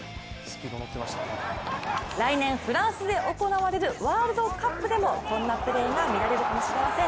来年、フランスで行われるワールドカップでもこんなプレーが見られるかもしれません。